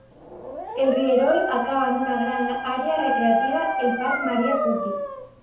El rierol acaba en una gran àrea recreativa, el parc Marie Curtis.